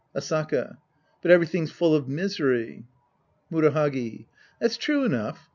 Asaka. But everything's full of misery. Murahagi. That's true enough.